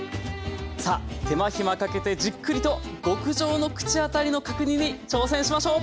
さあ手間暇かけてじっくりと極上の口当たりの角煮に挑戦しましょう。